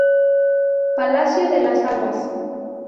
Palacio de las Aguas.